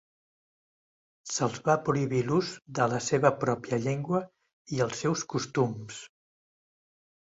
Se'ls va prohibir l'ús de la seva pròpia llengua i els seus costums.